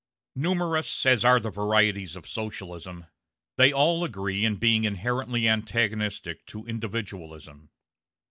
Numerous as are the varieties of Socialism, they all agree in being inherently antagonistic to individualism.